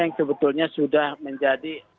yang sebetulnya sudah menjadi